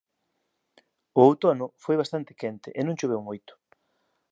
O outono foi bastante quente e non choveu moito.